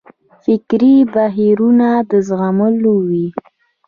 فکري بهیرونه د زغملو وي.